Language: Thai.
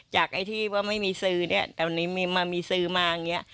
จากไอ้ที่ว่าไม่มีสื่อแต่วันนี้มีสื่อมาอย่างนี้